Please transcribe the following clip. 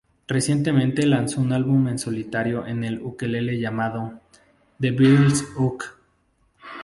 Recientemente lanzó un álbum en solitario en el ukelele llamado "The Beatles Uke".